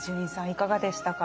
いかがでしたか？